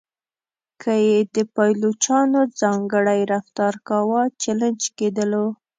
که یې د پایلوچانو ځانګړی رفتار کاوه چلنج کېدلو.